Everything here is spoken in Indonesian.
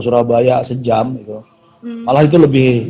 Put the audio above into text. surabaya sejam itu malah itu lebih